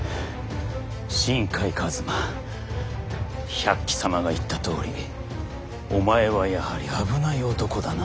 百鬼様が言ったとおりお前はやはり危ない男だな。